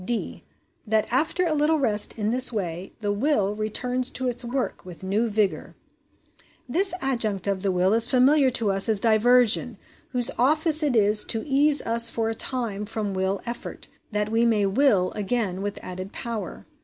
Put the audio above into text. (d) That, after a little rest in this way, the will returns to its work with new vigour. (This adjunct of the will is familiar to us as diversion, whose office it is to ease us for a time from will effort, that we may * will ' again with added power.